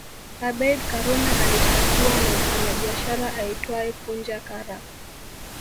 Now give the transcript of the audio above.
Abeid Karume alishtakiwa na mfanyabiashara aitwae Punja Kara